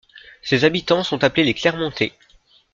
Ses habitants sont appelés les Clermontais.